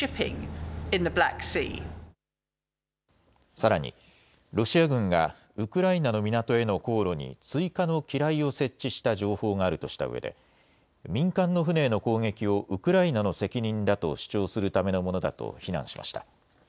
さらに、ロシア軍がウクライナの港への航路に追加の機雷を設置した情報があるとしたうえで民間の船への攻撃をウクライナの責任だと主張するためのものだと非難しました。